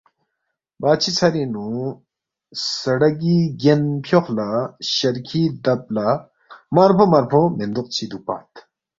بادشی ژھرِنگ نُو سڑگی گین فیوخ لہ شرکھی دب لہ مارفو مارفو مِندوق چی دُوکپت